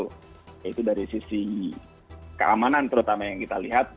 yaitu dari sisi keamanan terutama yang kita lihat